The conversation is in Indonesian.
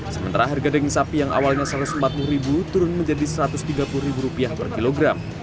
sementara harga daging sapi yang semula menyentuh harga rp satu ratus lima puluh telah turun menjadi rp satu ratus empat puluh per kilogram